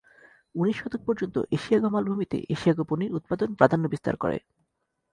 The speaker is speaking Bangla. উনিশ শতক পর্যন্ত এশিয়াগো মালভূমিতে এশিয়াগো পনির উৎপাদন প্রাধান্য বিস্তার করে।